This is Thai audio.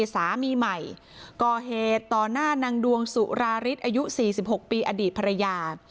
สามีใหม่ก่อเหตุต่อหน้านางดวงสุราริสอายุ๔๖ปีอดีตภรรยา